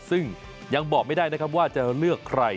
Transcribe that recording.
ซึ่งยังบอกไม่ได้นะครับว่าจะเลือกใคร